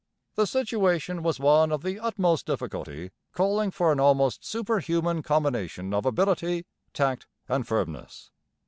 The situation was one of the utmost difficulty, calling for an almost superhuman combination of ability, tact, and firmness.